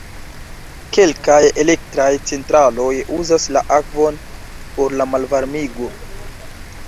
Kelkaj elektraj centraloj uzas la akvon por la malvarmigo.